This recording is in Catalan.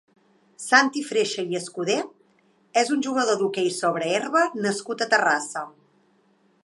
Santi Freixa i Escudé és un jugador d'hoquei sobre herba nascut a Terrassa.